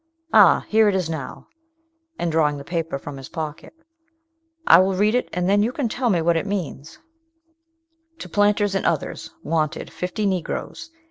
Ah, here it is now; and, drawing the paper from his pocket, "I will read it, and then you can tell me what it means: 'To PLANTERS AND OTHERS. Wanted fifty Negroes.